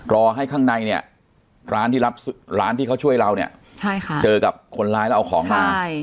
รอให้ข้างในเนี่ยร้านที่รับร้านที่เขาช่วยเราเนี่ยเจอกับคนร้ายแล้วเอาของมา